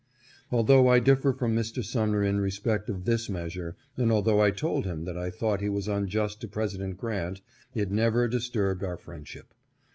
Although I differed from Mr. Sumner in respect of this measure and although I told him that I thought he was un just to President Grant, it never disturbed our friendship.